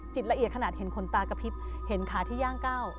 ละเอียดขนาดเห็นขนตากระพริบเห็นขาที่ย่างก้าว